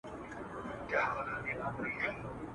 د نامردو ګوزارونه وار په وار سي !.